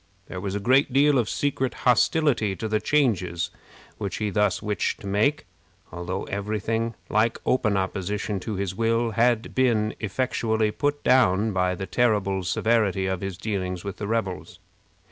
There was a great deal of secret hostility to the changes which he thus wished to make, although every thing like open opposition to his will had been effectually put down by the terrible severity of his dealings with the rebels.